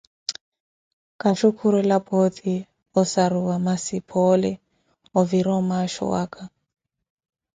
Kaxhukhurela, pooti osaruwa, masi phoole, ovire omaaxho waka.